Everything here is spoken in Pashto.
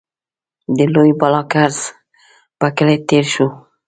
د لوی بالاکرز په کلي کې تېر شوو.